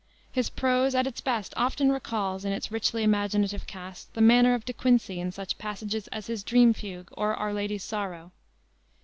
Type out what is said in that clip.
His prose, at its best, often recalls, in its richly imaginative cast, the manner of De Quincey in such passages as his Dream Fugue, or Our Ladies of Sorrow.